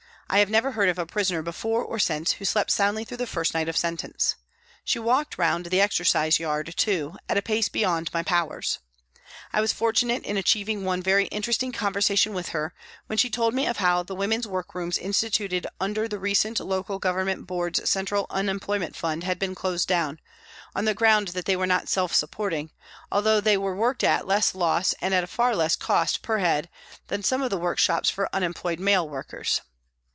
I have never heard of a prisoner before or since who slept soundly through the first night of sentence. She walked round the exercise yard, too, at a pace beyond my powers. I was fortunate in achieving one very interesting conversation with her, when she told me of how the women's workrooms instituted under the recent Local Government Board's Central Unemployment Fund had been closed down, on the ground that they were not self supporting, although they were worked at less loss and at far less cost per head than some of the workshops for unemployed male workers.